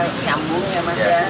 sudah nyambung ya mas ya